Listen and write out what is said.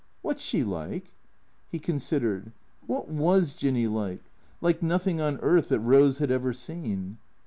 "Wot's she like?" He considered. Wliat was Jinny like? Like nothing on earth that Eose had ever seen.